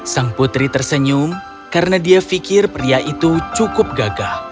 sang putri tersenyum karena dia pikir pria itu cukup gagah